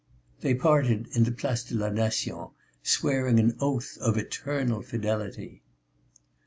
They parted in the Place de la Nation, swearing an oath of eternal fidelity.